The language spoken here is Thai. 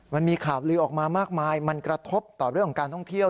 มันมีข่าวลือออกมามากมายมันกระทบต่อเรื่องของการท่องเที่ยว